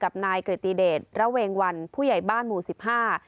กับนายกริติเดชระเวงวันผู้ใหญ่บ้านหมู่สิบห้า